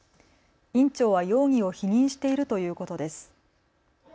院長は容疑を否認しているということです。